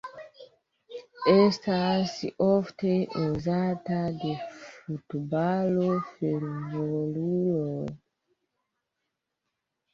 Estas ofte uzata de futbalo-fervoruloj.